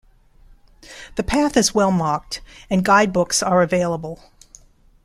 The path is well marked and guide books are available.